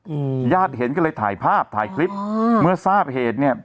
อืมญาติเห็นก็เลยถ่ายภาพถ่ายคลิปอืมเมื่อทราบเหตุเนี้ย